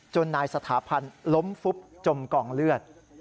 นายสถาพันธ์ล้มฟุบจมกองเลือด